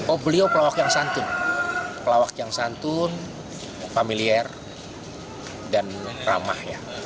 oh beliau pelawak yang santun pelawak yang santun familiar dan ramah ya